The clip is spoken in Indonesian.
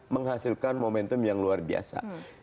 menghasilkan momentum yang luar biasa